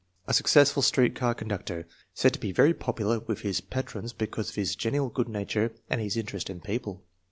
A successful street car conductor, said to be very popular with his patrons because of his genial good nature and his interest in people.